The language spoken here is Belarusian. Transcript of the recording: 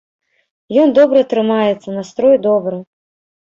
Ён добра трымаецца, настрой добры.